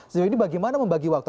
sejauh ini bagaimana membagi waktu